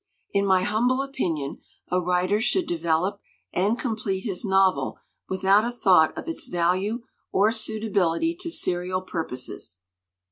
"In my humble opinion, a writer should de velop and complete his novel without a thought of its value or suitability to serial purposes.